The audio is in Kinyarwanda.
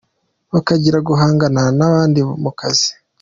Bakagira guhangana n’abandi mu kazi,.